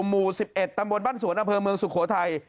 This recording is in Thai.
หมู่สิบเอ็ดตำบนบ้านสวนอเผย์เมืองศุโขทัย